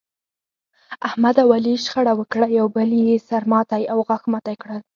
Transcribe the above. احمد او علي شخړه وکړه، یو بل یې سر ماتی او غاښ ماتی کړل.